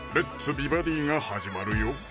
美バディ」が始まるよ